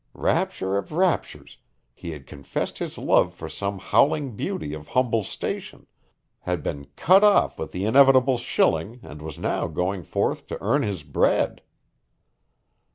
Rapture of raptures, he had confessed his love for some howling beauty of humble station, had been cut off with the inevitable shilling and was now going forth to earn his bread.